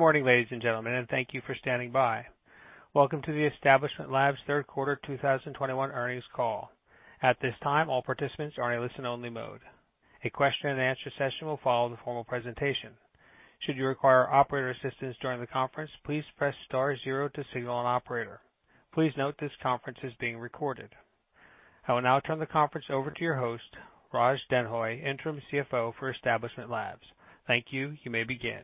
Good morning, ladies and gentlemen, and thank you for standing by. Welcome to the Establishment Labs third quarter 2021 earnings call. At this time, all participants are in a listen-only mode. A question-and-answer session will follow the formal presentation. Should you require operator assistance during the conference, please press star zero to signal an operator. Please note this conference is being recorded. I will now turn the conference over to your host, Raj Denhoy, Interim CFO for Establishment Labs. Thank you. You may begin.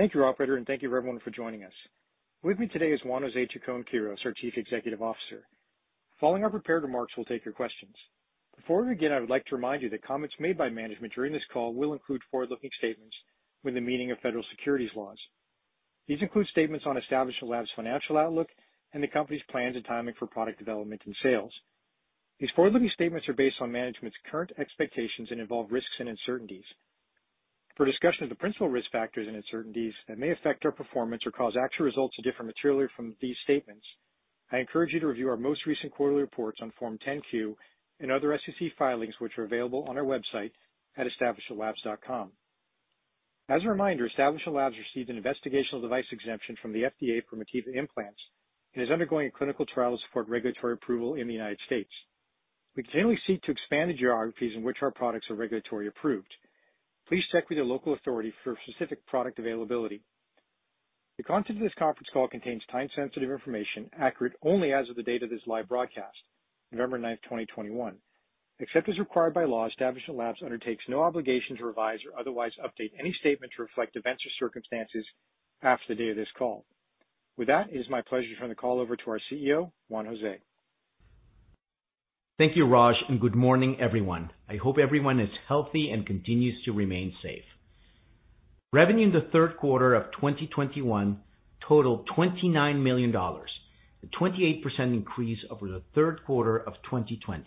Thank you, operator, and thank you for everyone for joining us. With me today is Juan José Chacón-Quirós, our Chief Executive Officer. Following our prepared remarks, we'll take your questions. Before we begin, I would like to remind you that comments made by management during this call will include forward-looking statements with the meaning of federal securities laws. These include statements on Establishment Labs' financial outlook and the company's plans and timing for product development and sales. These forward-looking statements are based on management's current expectations and involve risks and uncertainties. For a discussion of the principal risk factors and uncertainties that may affect our performance or cause actual results to differ materially from these statements, I encourage you to review our most recent quarterly reports on Form 10-Q and other SEC filings, which are available on our website at establishmentlabs.com. As a reminder, Establishment Labs received an investigational device exemption from the FDA for Motiva implants and is undergoing a clinical trial to support regulatory approval in the United States. We continually seek to expand the geographies in which our products are regulatory approved. Please check with your local authority for specific product availability. The content of this conference call contains time-sensitive information, accurate only as of the date of this live broadcast, November 9, 2021. Except as required by law, Establishment Labs undertakes no obligation to revise or otherwise update any statement to reflect events or circumstances after the date of this call. With that, it is my pleasure to turn the call over to our CEO, Juan José. Thank you, Raj, and good morning, everyone. I hope everyone is healthy and continues to remain safe. Revenue in the third quarter of 2021 totaled $29 million, a 28% increase over the third quarter of 2020.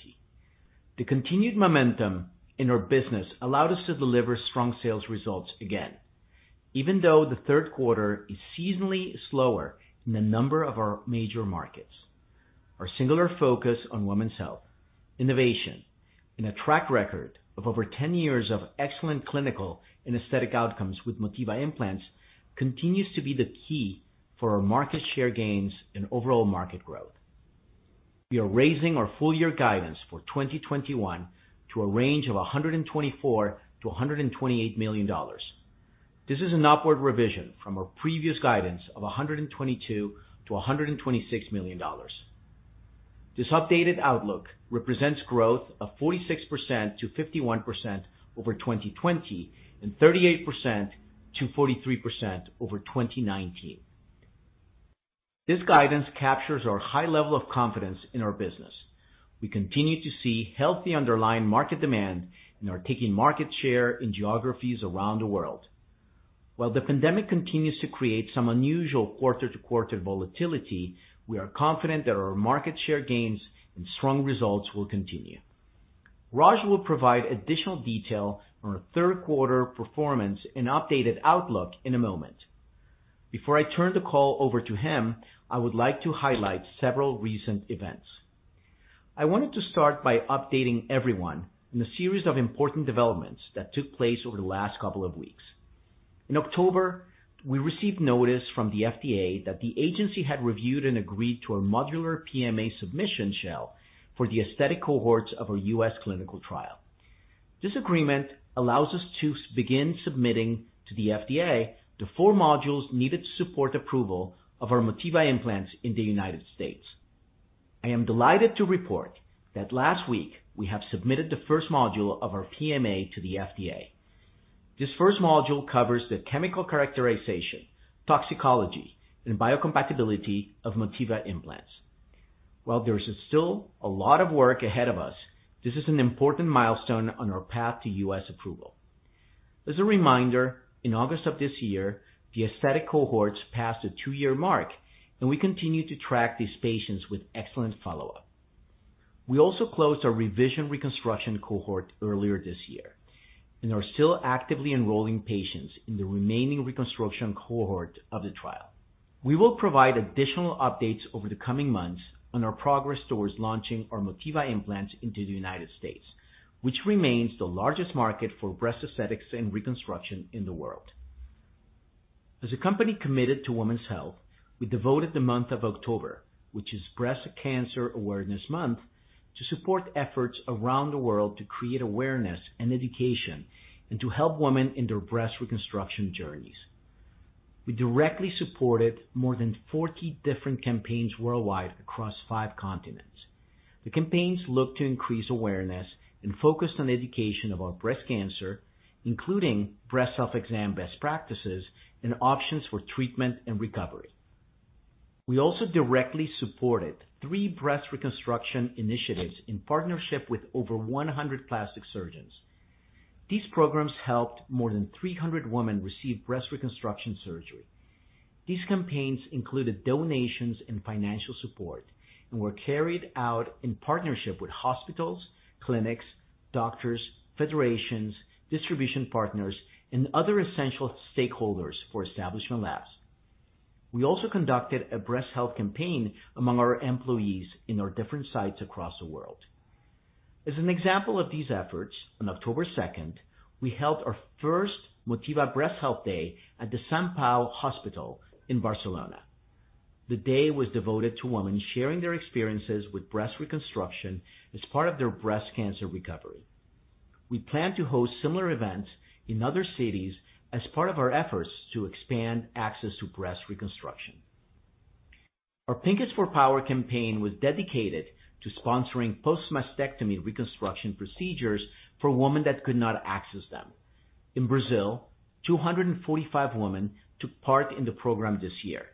The continued momentum in our business allowed us to deliver strong sales results again, even though the third quarter is seasonally slower in a number of our major markets. Our singular focus on women's health, innovation, and a track record of over 10 years of excellent clinical and aesthetic outcomes with Motiva implants continues to be the key for our market share gains and overall market growth. We are raising our full-year guidance for 2021 to a range of $124 million-$128 million. This is an upward revision from our previous guidance of $122 million-$126 million. This updated outlook represents growth of 46%-51% over 2020 and 38%-43% over 2019. This guidance captures our high level of confidence in our business. We continue to see healthy underlying market demand and are taking market share in geographies around the world. While the pandemic continues to create some unusual quarter-to-quarter volatility, we are confident that our market share gains and strong results will continue. Raj will provide additional detail on our third quarter performance and updated outlook in a moment. Before I turn the call over to him, I would like to highlight several recent events. I wanted to start by updating everyone in a series of important developments that took place over the last couple of weeks. In October, we received notice from the FDA that the agency had reviewed and agreed to a modular PMA submission shell for the aesthetic cohorts of our U.S. clinical trial. This agreement allows us to begin submitting to the FDA the four modules needed to support approval of our Motiva implants in the United States. I am delighted to report that last week we have submitted the first module of our PMA to the FDA. This first module covers the chemical characterization, toxicology, and biocompatibility of Motiva implants. While there is still a lot of work ahead of us, this is an important milestone on our path to U.S. approval. As a reminder, in August of this year, the aesthetic cohorts passed the two-year mark, and we continue to track these patients with excellent follow-up. We also closed our revision reconstruction cohort earlier this year and are still actively enrolling patients in the remaining reconstruction cohort of the trial. We will provide additional updates over the coming months on our progress towards launching our Motiva implants into the United States, which remains the largest market for breast aesthetics and reconstruction in the world. As a company committed to women's health, we devoted the month of October, which is Breast Cancer Awareness Month, to support efforts around the world to create awareness and education and to help women in their breast reconstruction journeys. We directly supported more than 40 different campaigns worldwide across 5 continents. The campaigns look to increase awareness and focused on education about breast cancer, including breast self-exam best practices and options for treatment and recovery. We also directly supported three breast reconstruction initiatives in partnership with over 100 plastic surgeons. These programs helped more than 300 women receive breast reconstruction surgery. These campaigns included donations and financial support and were carried out in partnership with hospitals, clinics, doctors, federations, distribution partners, and other essential stakeholders for Establishment Labs. We also conducted a breast health campaign among our employees in our different sites across the world. As an example of these efforts, on October second, we held our first Motiva Breast Health Day at the Hospital de Sant Pau in Barcelona. The day was devoted to women sharing their experiences with breast reconstruction as part of their breast cancer recovery. We plan to host similar events in other cities as part of our efforts to expand access to breast reconstruction. Our Pink is for Power campaign was dedicated to sponsoring post-mastectomy reconstruction procedures for women that could not access them. In Brazil, 245 women took part in the program this year.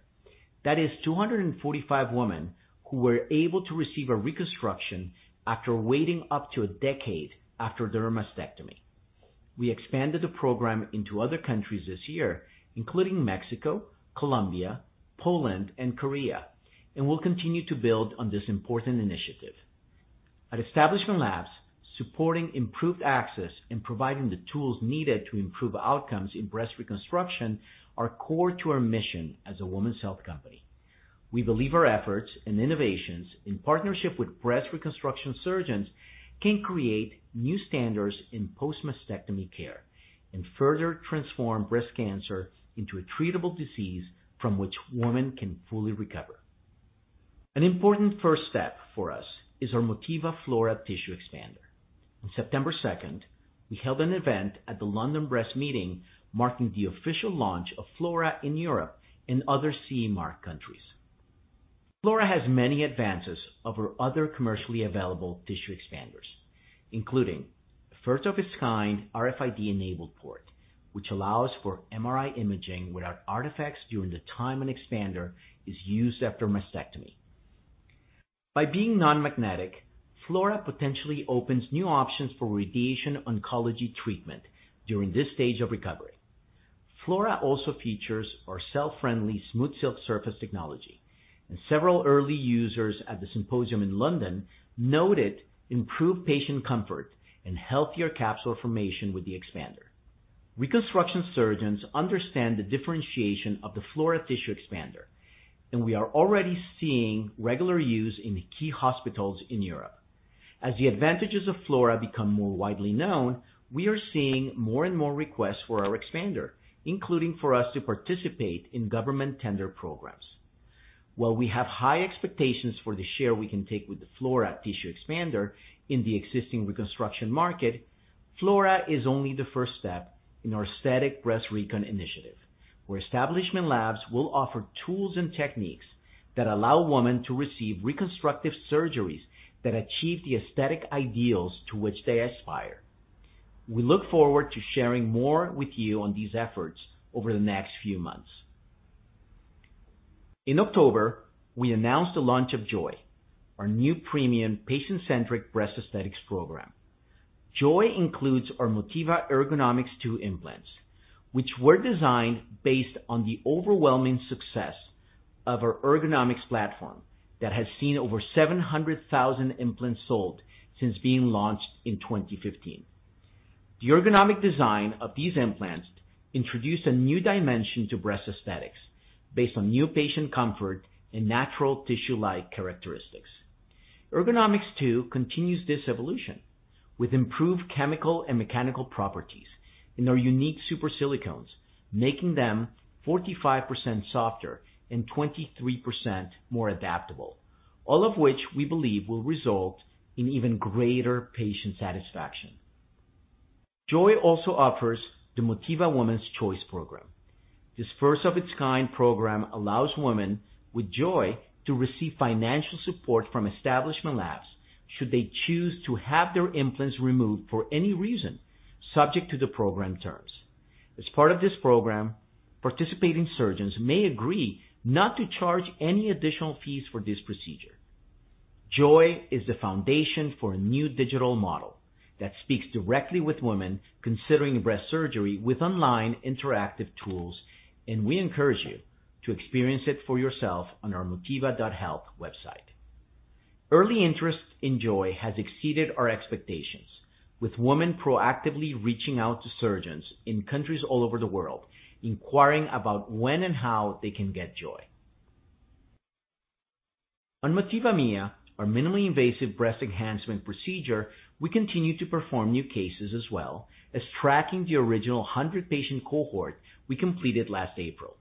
That is 245 women who were able to receive a reconstruction after waiting up to a decade after their mastectomy. We expanded the program into other countries this year, including Mexico, Colombia, Poland, and Korea, and we'll continue to build on this important initiative. At Establishment Labs, supporting improved access and providing the tools needed to improve outcomes in breast reconstruction are core to our mission as a women's health company. We believe our efforts and innovations in partnership with breast reconstruction surgeons can create new standards in post-mastectomy care and further transform breast cancer into a treatable disease from which women can fully recover. An important first step for us is our Motiva Flora tissue expander. On September second, we held an event at the London Breast Meeting marking the official launch of Flora in Europe and other CE Mark countries. Flora has many advances over other commercially available tissue expanders, including first-of-its-kind RFID-enabled port, which allows for MRI imaging without artifacts during the time an expander is used after mastectomy. By being non-magnetic, Flora potentially opens new options for radiation oncology treatment during this stage of recovery. Flora also features our cell-friendly SmoothSilk surface technology, and several early users at the symposium in London noted improved patient comfort and healthier capsule formation with the expander. Reconstruction surgeons understand the differentiation of the Flora tissue expander, and we are already seeing regular use in key hospitals in Europe. As the advantages of Flora become more widely known, we are seeing more and more requests for our expander, including for us to participate in government tender programs. While we have high expectations for the share we can take with the Flora tissue expander in the existing reconstruction market, Flora is only the first step in our aesthetic breast recon initiative, where Establishment Labs will offer tools and techniques that allow women to receive reconstructive surgeries that achieve the aesthetic ideals to which they aspire. We look forward to sharing more with you on these efforts over the next few months. In October, we announced the launch of Joy, our new premium patient-centric breast aesthetics program. Joy includes our Motiva Ergonomix2 implants, which were designed based on the overwhelming success of our Ergonomix platform that has seen over 700,000 implants sold since being launched in 2015. The ergonomic design of these implants introduced a new dimension to breast aesthetics based on new patient comfort and natural tissue-like characteristics. Ergonomix Two continues this evolution with improved chemical and mechanical properties in our unique super silicones, making them 45% softer and 23% more adaptable, all of which we believe will result in even greater patient satisfaction. JOY also offers the Motiva Woman's Choice Program. This first-of-its-kind program allows women with JOY to receive financial support from Establishment Labs should they choose to have their implants removed for any reason, subject to the program terms. As part of this program, participating surgeons may agree not to charge any additional fees for this procedure. JOY is the foundation for a new digital model that speaks directly with women considering breast surgery with online interactive tools, and we encourage you to experience it for yourself on our motiva.health website. Early interest in JOY has exceeded our expectations, with women proactively reaching out to surgeons in countries all over the world inquiring about when and how they can get JOY. On Motiva Mia, our minimally invasive breast enhancement procedure, we continue to perform new cases as well as tracking the original 100-patient cohort we completed last April.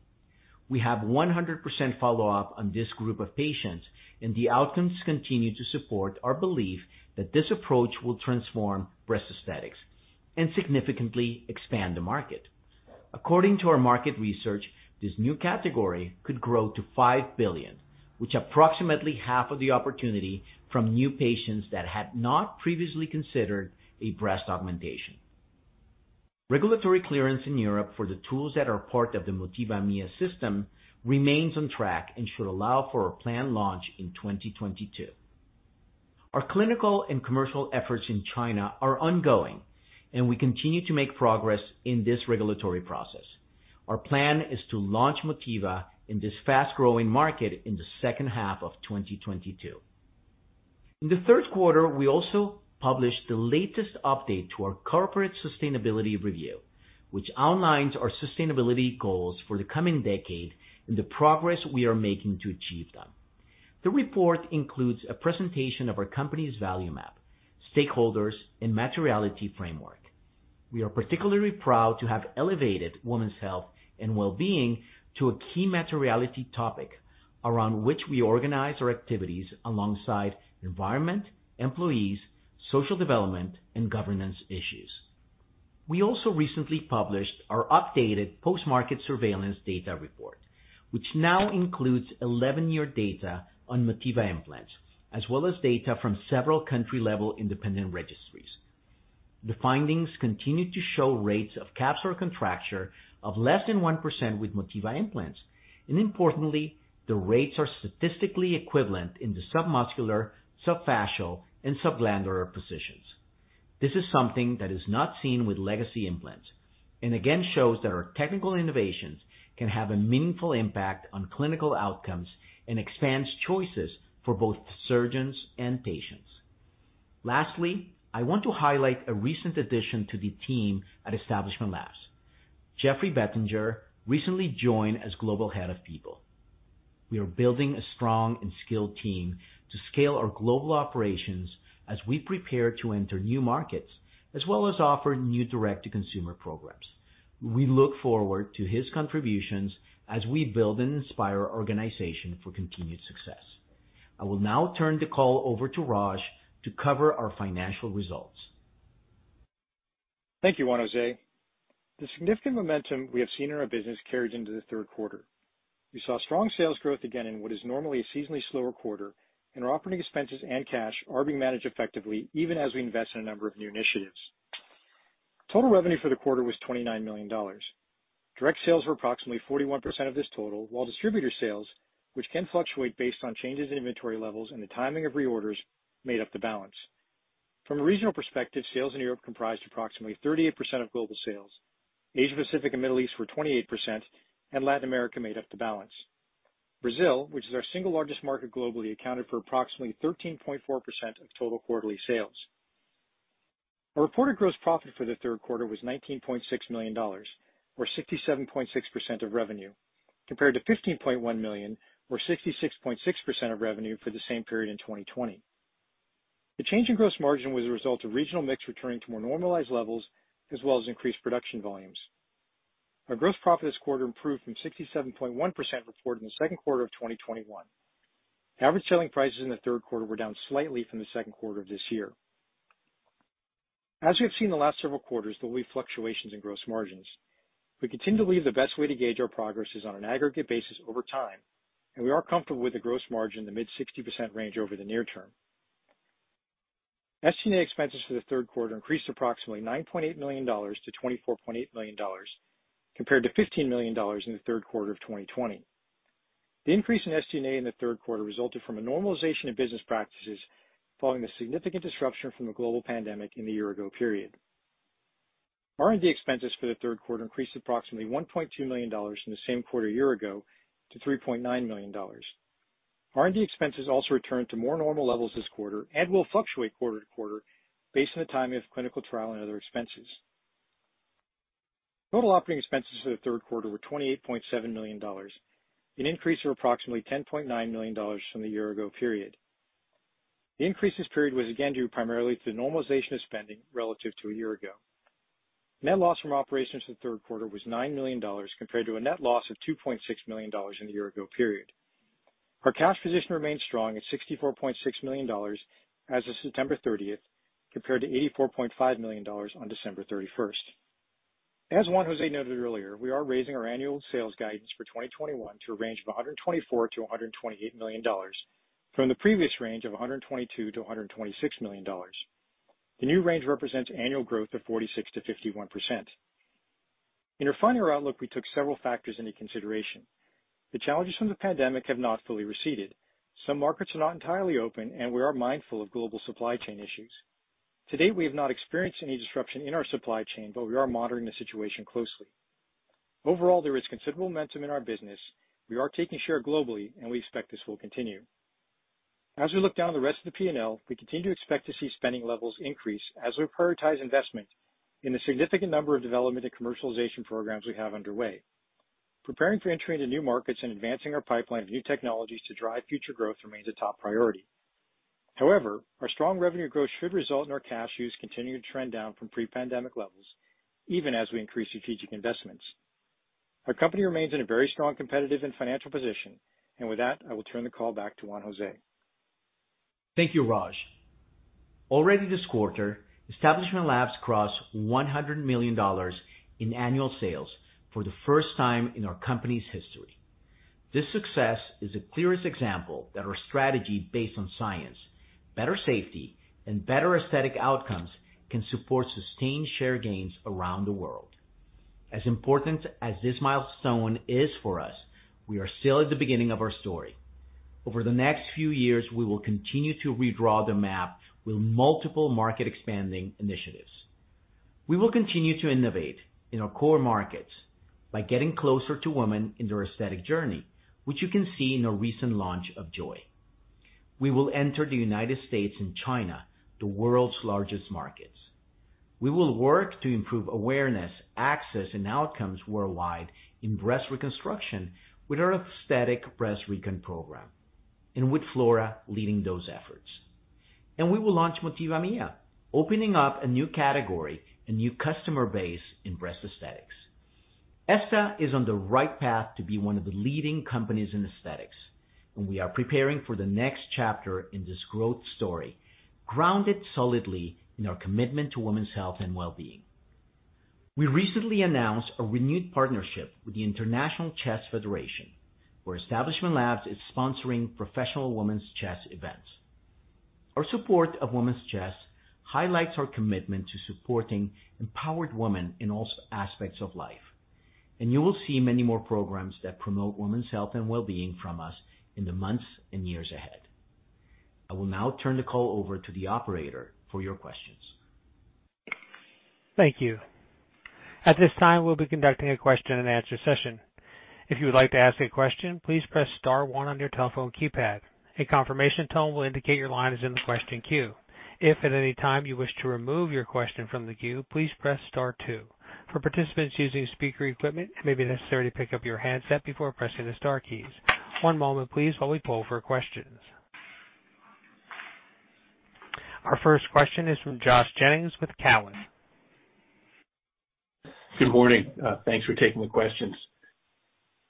We have 100% follow-up on this group of patients, and the outcomes continue to support our belief that this approach will transform breast aesthetics and significantly expand the market. According to our market research, this new category could grow to $5 billion, which is approximately half of the opportunity from new patients that had not previously considered a breast augmentation. Regulatory clearance in Europe for the tools that are part of the Motiva Mia system remains on track and should allow for a planned launch in 2022. Our clinical and commercial efforts in China are ongoing, and we continue to make progress in this regulatory process. Our plan is to launch Motiva in this fast-growing market in the second half of 2022. In the third quarter, we also published the latest update to our corporate sustainability review, which outlines our sustainability goals for the coming decade and the progress we are making to achieve them. The report includes a presentation of our company's value map, stakeholders, and materiality framework. We are particularly proud to have elevated women's health and well-being to a key materiality topic around which we organize our activities alongside environment, employees, social development, and governance issues. We also recently published our updated post-market surveillance data report, which now includes 11-year data on Motiva implants, as well as data from several country-level independent registries. The findings continue to show rates of capsular contracture of less than 1% with Motiva implants, and importantly, the rates are statistically equivalent in the submuscular, subfascial, and subglandular positions. This is something that is not seen with legacy implants, and again, shows that our technical innovations can have a meaningful impact on clinical outcomes and expands choices for both surgeons and patients. Lastly, I want to highlight a recent addition to the team at Establishment Labs. Jeffrey Bettinger recently joined as Global Head of People. We are building a strong and skilled team to scale our global operations as we prepare to enter new markets, as well as offer new direct-to-consumer programs. We look forward to his contributions as we build and inspire our organization for continued success. I will now turn the call over to Raj to cover our financial results. Thank you, Juan José. The significant momentum we have seen in our business carries into the third quarter. We saw strong sales growth again in what is normally a seasonally slower quarter, and our operating expenses and cash are being managed effectively even as we invest in a number of new initiatives. Total revenue for the quarter was $29 million. Direct sales were approximately 41% of this total, while distributor sales, which can fluctuate based on changes in inventory levels and the timing of reorders, made up the balance. From a regional perspective, sales in Europe comprised approximately 38% of global sales. Asia-Pacific and Middle East were 28%, and Latin America made up the balance. Brazil, which is our single largest market globally, accounted for approximately 13.4% of total quarterly sales. Our reported gross profit for the third quarter was $19.6 million, or 67.6% of revenue, compared to $15.1 million, or 66.6% of revenue for the same period in 2020. The change in gross margin was a result of regional mix returning to more normalized levels as well as increased production volumes. Our gross profit this quarter improved from 67.1% reported in the second quarter of 2021. Average selling prices in the third quarter were down slightly from the second quarter of this year. As we have seen the last several quarters, there will be fluctuations in gross margins. We continue to believe the best way to gauge our progress is on an aggregate basis over time, and we are comfortable with the gross margin in the mid-60% range over the near term. SG&A expenses for the third quarter increased approximately $9.8 million to $24.8 million compared to $15 million in the third quarter of 2020. The increase in SG&A in the third quarter resulted from a normalization of business practices following the significant disruption from the global pandemic in the year ago period. R&D expenses for the third quarter increased approximately $1.2 million from the same quarter a year ago to $3.9 million. R&D expenses also returned to more normal levels this quarter and will fluctuate quarter to quarter based on the timing of clinical trial and other expenses. Total operating expenses for the third quarter were $28.7 million, an increase of approximately $10.9 million from the year ago period. The increase this period was again due primarily to the normalization of spending relative to a year ago. Net loss from operations in the third quarter was $9 million compared to a net loss of $2.6 million in the year ago period. Our cash position remains strong at $64.6 million as of September 30 compared to $84.5 million on December 31. As Juan José noted earlier, we are raising our annual sales guidance for 2021 to a range of $124 million-$128 million from the previous range of $122 million-$126 million. The new range represents annual growth of 46%-51%. In refining our outlook, we took several factors into consideration. The challenges from the pandemic have not fully receded. Some markets are not entirely open, and we are mindful of global supply chain issues. To date, we have not experienced any disruption in our supply chain, but we are monitoring the situation closely. Overall, there is considerable momentum in our business. We are taking share globally, and we expect this will continue. As we look down the rest of the P&L, we continue to expect to see spending levels increase as we prioritize investment in a significant number of development and commercialization programs we have underway. Preparing for entry into new markets and advancing our pipeline of new technologies to drive future growth remains a top priority. However, our strong revenue growth should result in our cash use continuing to trend down from pre-pandemic levels even as we increase strategic investments. Our company remains in a very strong competitive and financial position. With that, I will turn the call back to Juan José. Thank you, Raj. Already this quarter, Establishment Labs crossed $100 million in annual sales for the first time in our company's history. This success is the clearest example that our strategy based on science, better safety, and better aesthetic outcomes can support sustained share gains around the world. As important as this milestone is for us, we are still at the beginning of our story. Over the next few years, we will continue to redraw the map with multiple market expanding initiatives. We will continue to innovate in our core markets by getting closer to women in their aesthetic journey, which you can see in our recent launch of JOY. We will enter the United States and China, the world's largest markets. We will work to improve awareness, access, and outcomes worldwide in breast reconstruction with our Aesthetic Breast Reconstruction program and with Flora leading those efforts. We will launch Motiva Mia, opening up a new category, a new customer base in breast aesthetics. ESTA is on the right path to be one of the leading companies in aesthetics, and we are preparing for the next chapter in this growth story, grounded solidly in our commitment to women's health and well-being. We recently announced a renewed partnership with the International Chess Federation, where Establishment Labs is sponsoring professional women's chess events. Our support of women's chess highlights our commitment to supporting empowered women in all aspects of life. You will see many more programs that promote women's health and well-being from us in the months and years ahead. I will now turn the call over to the operator for your questions. Thank you. At this time, we'll be conducting a question-and-answer session. If you would like to ask a question, please press star one on your telephone keypad. A confirmation tone will indicate your line is in the question queue. If at any time you wish to remove your question from the queue, please press star two. For participants using speaker equipment, it may be necessary to pick up your handset before pressing the star keys. One moment, please, while we poll for questions. Our first question is from Josh Jennings with Cowen. Good morning. Thanks for taking the questions.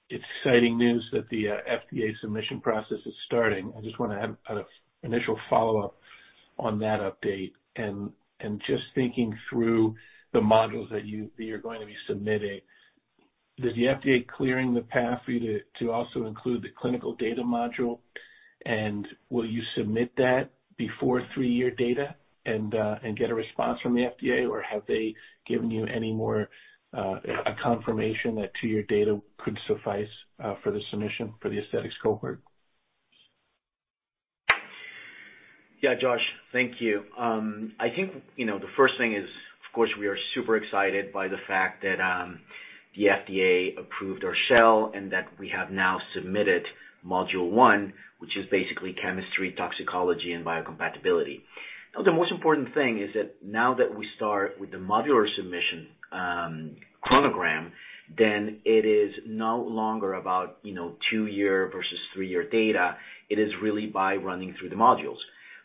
It's exciting news that the FDA submission process is starting. I just wanna have kind of initial follow-up on that update and just thinking through the modules that you're going to be submitting. Is the FDA clearing the path for you to also include the clinical data module, and will you submit that before three-year data and get a response from the FDA? Or have they given you any more, a confirmation that two-year data could suffice for the submission for the aesthetics cohort? Yeah, Josh, thank you. I think, you know, the first thing is, of course, we are super excited by the fact that the FDA approved our shell and that we have now submitted module one, which is basically chemistry, toxicology, and biocompatibility. The most important thing is that now that we start with the modular submission program, then it is no longer about, you know, two-year versus three-year data. It is really by running through the modules.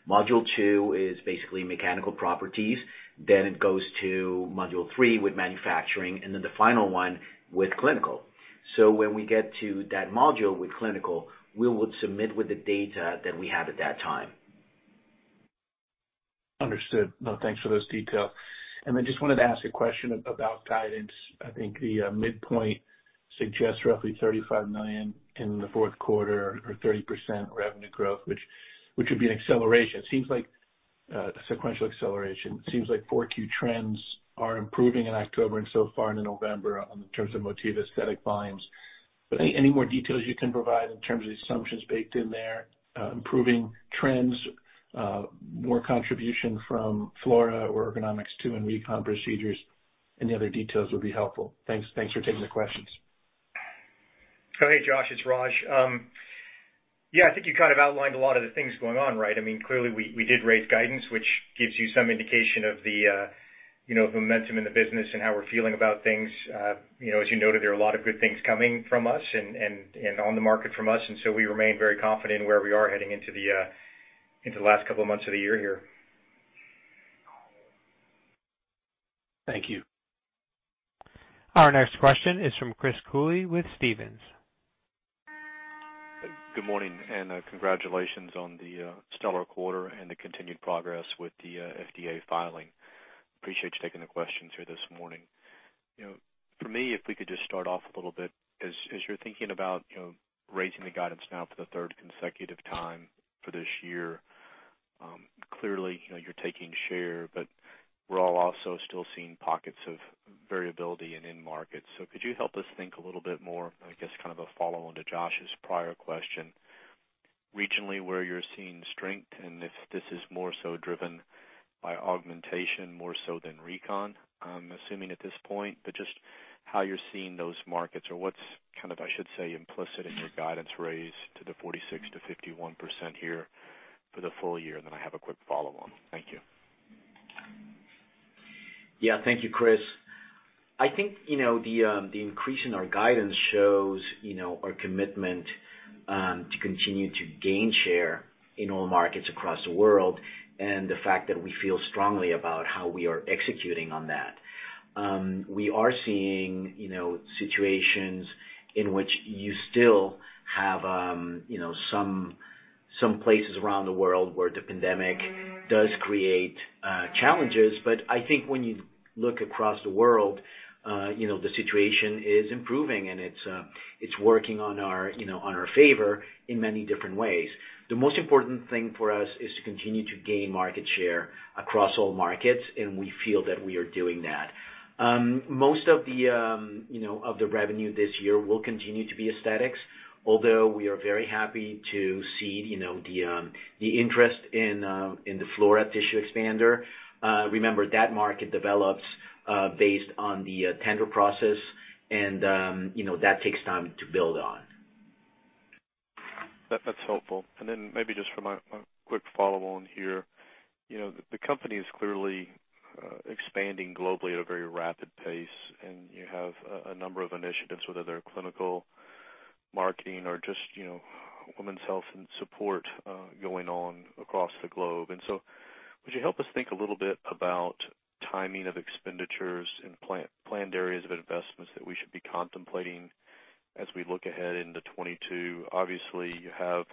Module two is basically mechanical properties. Then it goes to module three with manufacturing and then the final one with clinical. When we get to that module with clinical, we would submit with the data that we have at that time. Understood. No, thanks for those details. I just wanted to ask a question about guidance. I think the midpoint suggests roughly $35 million in the fourth quarter or 30% revenue growth, which would be an acceleration. It seems like a sequential acceleration. It seems like Q4 trends are improving in October and so far into November in terms of Motiva aesthetic volumes. Any more details you can provide in terms of the assumptions baked in there, improving trends, more contribution from Flora or Ergonomix to recon procedures? Any other details would be helpful. Thanks for taking the questions. Oh, hey, Josh. It's Raj. Yeah, I think you kind of outlined a lot of the things going on, right? I mean, clearly we did raise guidance, which gives you some indication of the, you know, momentum in the business and how we're feeling about things. You know, as you noted, there are a lot of good things coming from us and on the market from us. We remain very confident in where we are heading into the into the last couple of months of the year here. Thank you. Our next question is from Chris Cooley with Stephens. Good morning, and congratulations on the stellar quarter and the continued progress with the FDA filing. I appreciate you taking the questions here this morning. You know, for me, if we could just start off a little bit, as you're thinking about, you know, raising the guidance now for the third consecutive time for this year, clearly, you know, you're taking share, but we're all also still seeing pockets of variability in end markets. Could you help us think a little bit more, I guess kind of a follow-on to Josh's prior question, regionally, where you're seeing strength and if this is more so driven by augmentation, more so than recon, I'm assuming at this point, but just how you're seeing those markets or what's kind of, I should say, implicit in your guidance raise to the 46%-51% here for the full year. Then I have a quick follow-on. Thank you. Yeah. Thank you, Chris. I think, you know, the increase in our guidance shows, you know, our commitment to continue to gain share in all markets across the world, and the fact that we feel strongly about how we are executing on that. We are seeing, you know, situations in which you still have, you know, some places around the world where the pandemic does create challenges. But I think when you look across the world, you know, the situation is improving and it's working in our, you know, on our favor in many different ways. The most important thing for us is to continue to gain market share across all markets, and we feel that we are doing that. Most of the revenue this year will continue to be aesthetics, although we are very happy to see, you know, the interest in the Flora tissue expander. Remember, that market develops based on the tender process and, you know, that takes time to build on. That's helpful. Then maybe just for my quick follow on here. You know, the company is clearly expanding globally at a very rapid pace, and you have a number of initiatives, whether they're clinical marketing or just, you know, women's health and support going on across the globe. Would you help us think a little bit about timing of expenditures and planned areas of investments that we should be contemplating as we look ahead into 2022? Obviously, you have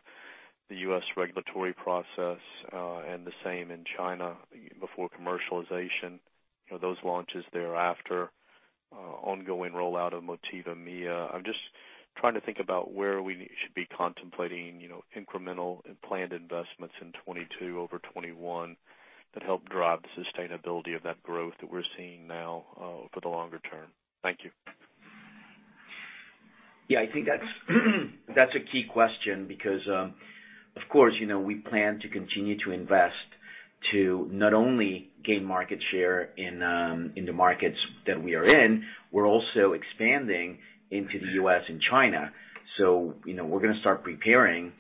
the U.S. regulatory process, and the same in China before commercialization. You know, those launches thereafter, ongoing rollout of Motiva Mia. I'm just trying to think about where we should be contemplating, you know, incremental and planned investments in 2022 over 2021 that help drive the sustainability of that growth that we're seeing now for the longer term. Thank you. Yeah, I think that's a key question because, of course, you know, we plan to continue to invest to not only gain market share in the markets that we are in. We're also expanding into the U.S. and China. You know, we're gonna start preparing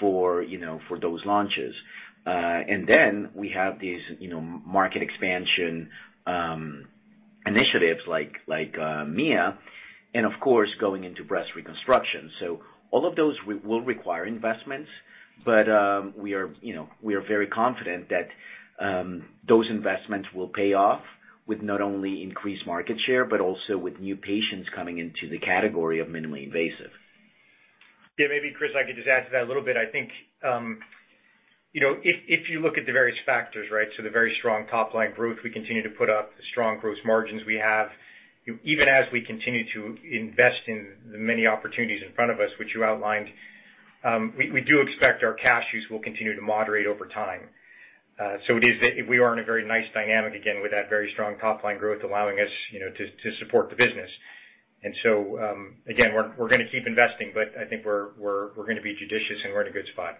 for, you know, for those launches. Then we have these, you know, market expansion initiatives like Mia, and of course, going into breast reconstruction. All of those will require investments, but we are, you know, we are very confident that those investments will pay off with not only increased market share but also with new patients coming into the category of minimally invasive. Yeah, maybe Chris, I could just add to that a little bit. I think you know, if you look at the various factors, right, so the very strong top-line growth, we continue to put up the strong growth margins we have. Even as we continue to invest in the many opportunities in front of us, which you outlined, we do expect our cash use will continue to moderate over time. So it is that we are in a very nice dynamic, again, with that very strong top-line growth allowing us, you know, to support the business. Again, we're gonna be judicious and we're in a good spot.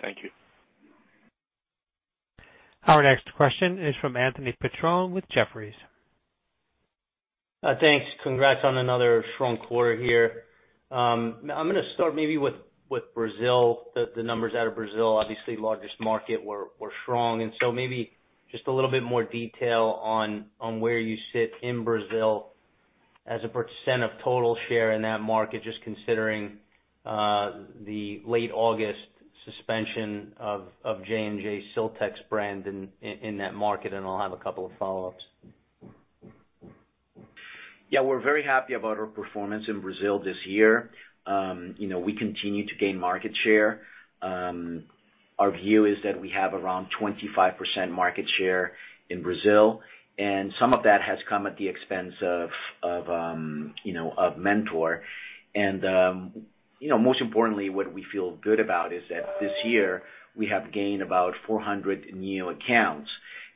Thank you. Our next question is from Anthony Petrone with Jefferies. Thanks. Congrats on another strong quarter here. I'm gonna start maybe with Brazil, the numbers out of Brazil. Obviously, largest market were strong. Maybe just a little bit more detail on where you sit in Brazil as a percent of total share in that market, just considering the late August suspension of J&J Siltex brand in that market, and I'll have a couple of follow-ups. Yeah, we're very happy about our performance in Brazil this year. You know, we continue to gain market share. Our view is that we have around 25% market share in Brazil, and some of that has come at the expense of Mentor. Most importantly, what we feel good about is that this year, we have gained about 400 new accounts,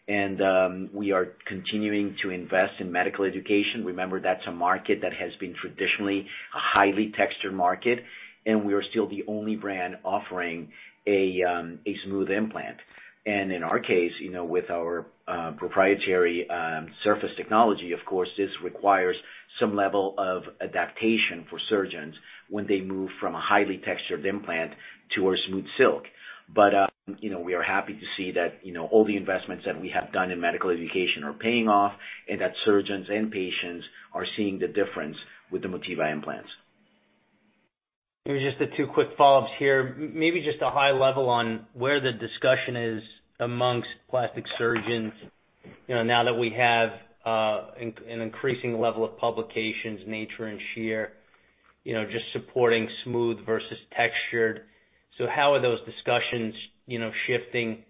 and we are continuing to invest in medical education. Remember, that's a market that has been traditionally a highly textured market, and we are still the only brand offering a smooth implant. In our case, with our proprietary surface technology, of course, this requires some level of adaptation for surgeons when they move from a highly textured implant to our SmoothSilk. you know, we are happy to see that, you know, all the investments that we have done in medical education are paying off and that surgeons and patients are seeing the difference with the Motiva implants. Maybe just the two quick follow-ups here. Maybe just a high level on where the discussion is amongst plastic surgeons, you know, now that we have an increasing level of publications, Nature and elsewhere, you know, just supporting smooth versus textured. So how are those discussions, you know, shifting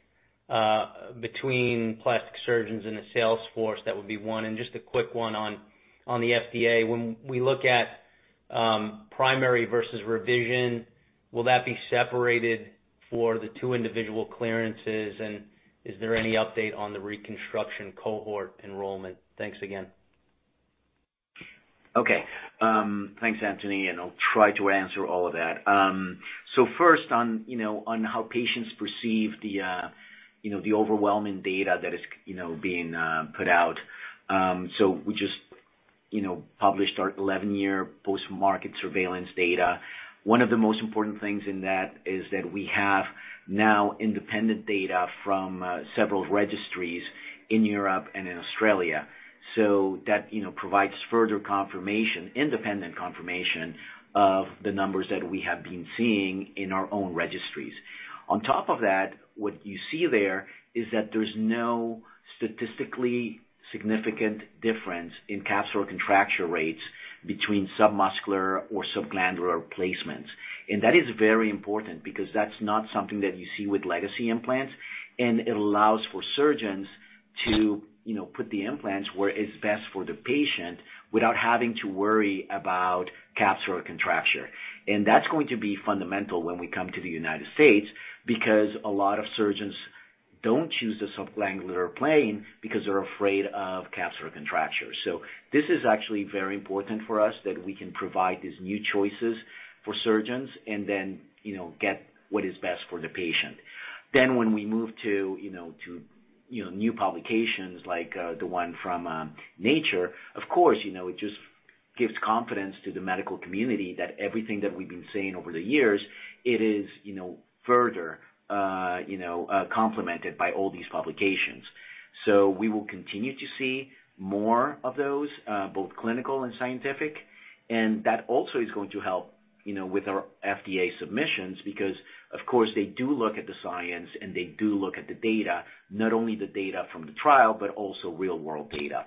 between plastic surgeons and the sales force? That would be one. Just a quick one on the FDA. When we look at primary versus revision, will that be separated for the two individual clearances? Is there any update on the reconstruction cohort enrollment? Thanks again. Okay. Thanks, Anthony, and I'll try to answer all of that. First on, you know, on how patients perceive the, you know, the overwhelming data that is, you know, being, put out. We just, you know, published our 11-year post-market surveillance data. One of the most important things in that is that we have now independent data from, several registries in Europe and in Australia. That, you know, provides further confirmation, independent confirmation of the numbers that we have been seeing in our own registries. On top of that, what you see there is that there's no statistically significant difference in capsular contracture rates between submuscular or subglandular placements. That is very important because that's not something that you see with legacy implants, and it allows for surgeons to, you know, put the implants where it's best for the patient without having to worry about capsular contracture. That's going to be fundamental when we come to the United States because a lot of surgeons don't choose the subglandular plane because they're afraid of capsular contracture. This is actually very important for us that we can provide these new choices for surgeons and then, you know, get what is best for the patient. When we move to new publications like the one from Nature, of course, you know, it just gives confidence to the medical community that everything that we've been saying over the years, it is, you know, further complemented by all these publications. We will continue to see more of those, both clinical and scientific. That also is going to help, you know, with our FDA submissions because, of course, they do look at the science, and they do look at the data, not only the data from the trial, but also real-world data.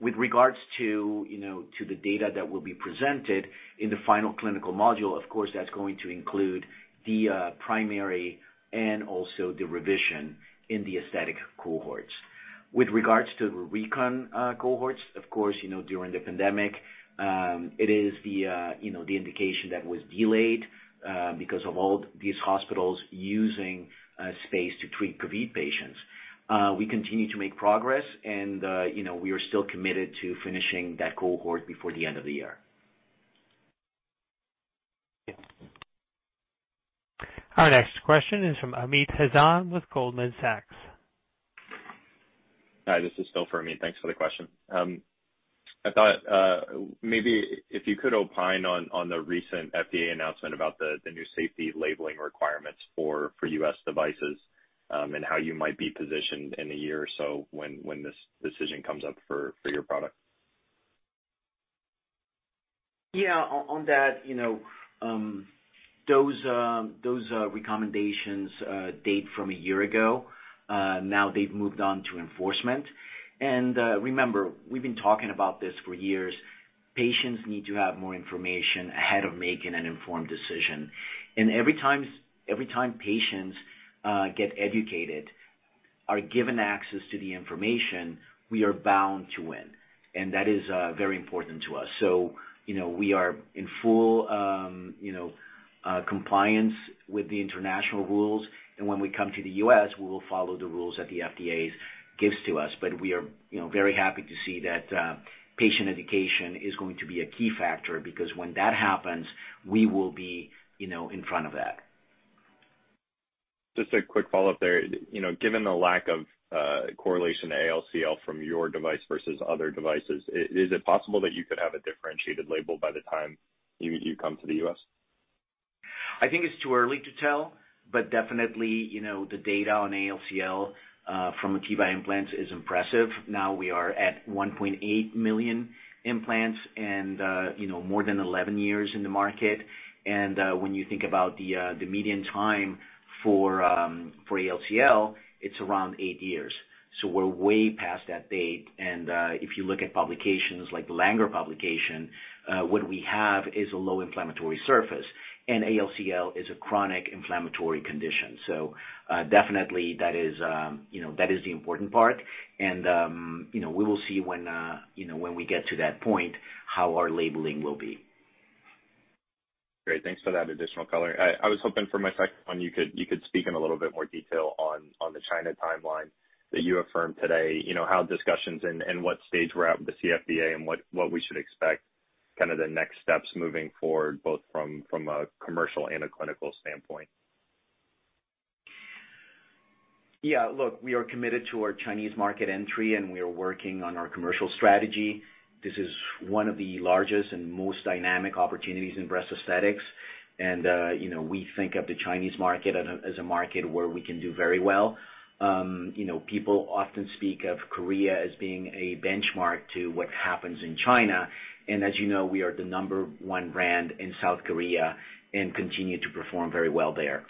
With regards to, you know, to the data that will be presented in the final clinical module, of course, that's going to include the primary and also the revision in the aesthetic cohorts. With regards to the recon cohorts, of course, you know, during the pandemic, it is the indication that was delayed because of all these hospitals using space to treat COVID patients. We continue to make progress and, you know, we are still committed to finishing that cohort before the end of the year. Our next question is from Amit Hazan with Goldman Sachs. Hi, this is Phil for Amit. Thanks for the question. I thought, maybe if you could opine on the recent FDA announcement about the new safety labeling requirements for U.S. devices, and how you might be positioned in a year or so when this decision comes up for your product. Yeah. On that, you know, those recommendations date from a year ago. Now they've moved on to enforcement. Remember, we've been talking about this for years. Patients need to have more information ahead of making an informed decision. Every time patients get educated, are given access to the information, we are bound to win. That is very important to us. You know, we are in full compliance with the international rules. When we come to the U.S., we will follow the rules that the FDA gives to us. We are, you know, very happy to see that patient education is going to be a key factor because when that happens, we will be, you know, in front of that. Just a quick follow-up there. You know, given the lack of correlation to ALCL from your device versus other devices, is it possible that you could have a differentiated label by the time you come to the U.S.? I think it's too early to tell, but definitely, you know, the data on ALCL from Motiva implants is impressive. Now we are at 1.8 million implants and, you know, more than 11 years in the market. When you think about the median time for ALCL, it's around eight years. We're way past that date. If you look at publications like the Langer publication, what we have is a low inflammatory surface, and ALCL is a chronic inflammatory condition. Definitely that is the important part. You know, we will see when you know when we get to that point how our labeling will be. Great. Thanks for that additional color. I was hoping for my second one, you could speak in a little bit more detail on the China timeline that you affirmed today. You know, how discussions and what stage we're at with the CFDA and what we should expect, kinda the next steps moving forward, both from a commercial and a clinical standpoint. Yeah. Look, we are committed to our Chinese market entry, and we are working on our commercial strategy. This is one of the largest and most dynamic opportunities in breast aesthetics. You know, we think of the Chinese market as a market where we can do very well. You know, people often speak of Korea as being a benchmark to what happens in China. As you know, we are the number one brand in South Korea and continue to perform very well there.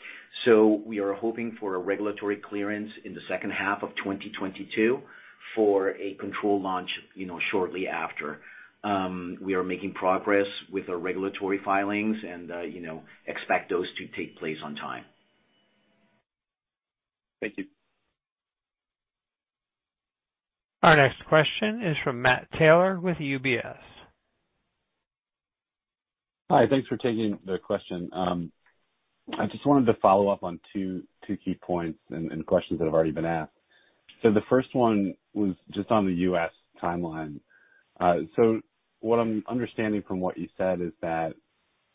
We are hoping for a regulatory clearance in the second half of 2022 for a controlled launch, you know, shortly after. We are making progress with our regulatory filings and, you know, expect those to take place on time. Thank you. Our next question is from Matt Taylor with UBS. Hi. Thanks for taking the question. I just wanted to follow up on two key points and questions that have already been asked. The first one was just on the U.S. timeline. What I'm understanding from what you said is that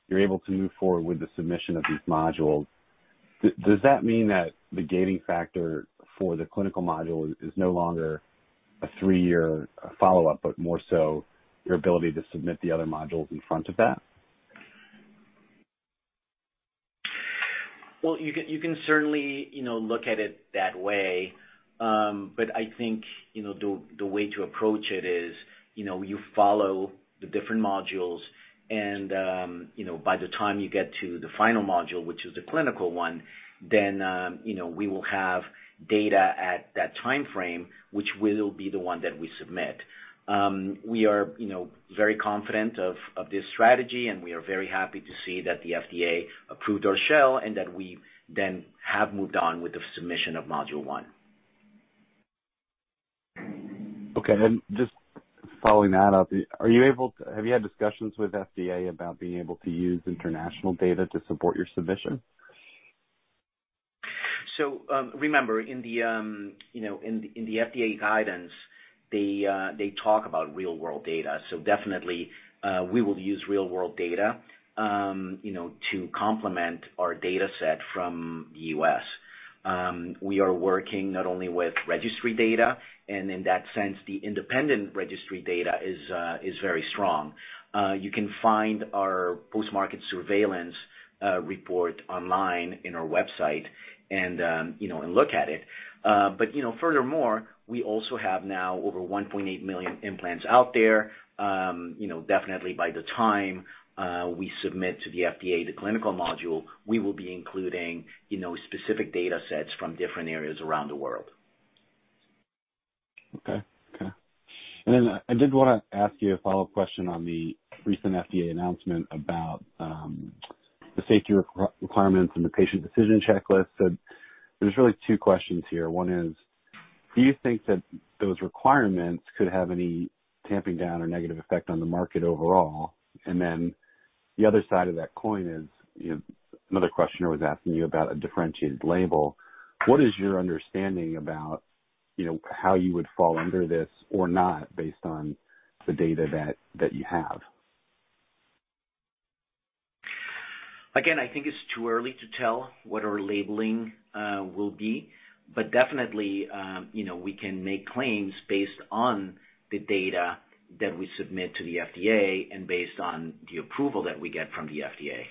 you're able to move forward with the submission of these modules. Does that mean that the gating factor for the clinical module is no longer a three-year follow-up, but more so your ability to submit the other modules in front of that? Well, you can certainly, you know, look at it that way. I think, you know, the way to approach it is, you know, you follow the different modules and, you know, by the time you get to the final module, which is the clinical one, then, you know, we will have data at that timeframe, which will be the one that we submit. We are, you know, very confident of this strategy, and we are very happy to see that the FDA approved our shell and that we then have moved on with the submission of module one. Okay. Just following that up, have you had discussions with FDA about being able to use international data to support your submission? Remember in the FDA guidance, they talk about real-world data. Definitely, we will use real-world data. You know, to complement our data set from the U.S., we are working not only with registry data and in that sense, the independent registry data is very strong. You can find our post-market surveillance report online in our website and, you know, look at it. You know, furthermore, we also have now over 1.8 million implants out there. You know, definitely by the time we submit to the FDA the clinical module, we will be including specific data sets from different areas around the world. Okay. I did wanna ask you a follow-up question on the recent FDA announcement about the safety requirements and the patient decision checklist. There's really two questions here. One is, do you think that those requirements could have any tamping down or negative effect on the market overall? The other side of that coin is, you know, another question I was asking you about a differentiated label. What is your understanding about, you know, how you would fall under this or not based on the data that you have? Again, I think it's too early to tell what our labeling will be, but definitely, you know, we can make claims based on the data that we submit to the FDA and based on the approval that we get from the FDA.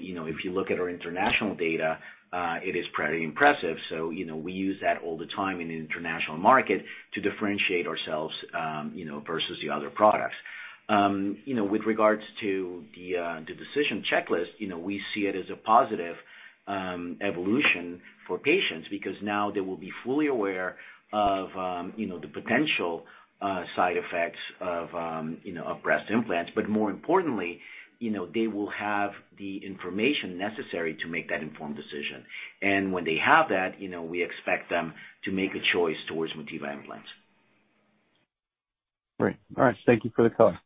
You know, if you look at our international data, it is pretty impressive. You know, we use that all the time in the international market to differentiate ourselves, you know, versus the other products. You know, with regards to the decision checklist, you know, we see it as a positive evolution for patients because now they will be fully aware of, you know, the potential side effects of, you know, of breast implants. More importantly, you know, they will have the information necessary to make that informed decision. When they have that, you know, we expect them to make a choice towards Motiva implants. Great. All right. Thank you for the color.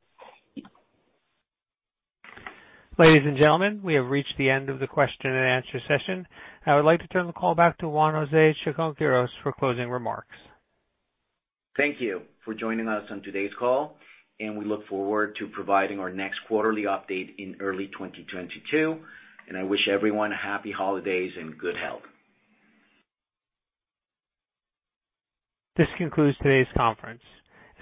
Ladies and gentlemen, we have reached the end of the question and answer session. I would like to turn the call back to Juan José Chacón-Quiros for `closing remarks. Thank you for joining us on today's call, and we look forward to providing our next quarterly update in early 2022. I wish everyone happy holidays and good health. This concludes today's conference.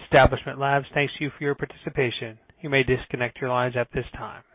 Establishment Labs thanks you for your participation. You may disconnect your lines at this time.